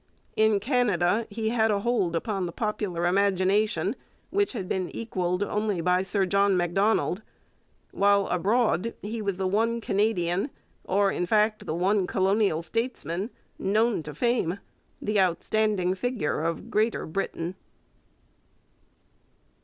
In Canada he had a hold upon the popular imagination which had been equalled only by Sir John Macdonald, while abroad he was the one Canadian, or in fact the one colonial statesman, known to fame, the outstanding figure of Greater Britain.